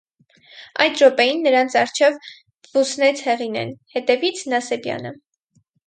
Այդ րոպեին նրանց առջև բսնեց Հեղինեն, հետևից- Նասեբյանը: